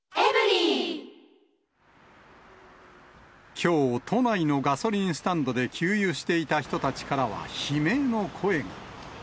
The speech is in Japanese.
きょう、都内のガソリンスタンドで給油していた人たちからは、悲鳴の声が。